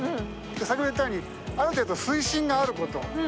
先ほども言ったようにある程度水深があること。